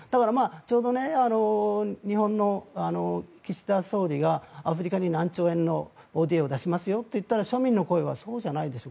ちょうど日本の岸田総理がアフリカに何兆円のＯＤＡを出しますよと言って庶民の声はそうじゃないでしょ